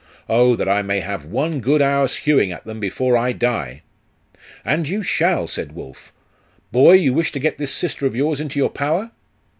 Oh that I may have one good hour's hewing at them before I die!' 'And you shall!' said Wulf. 'Boy, you wish to get this sister of yours into your power?